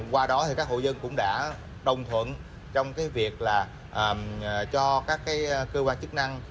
qua đó các hộ dân cũng đã đồng thuận trong việc cho các cơ quan chức năng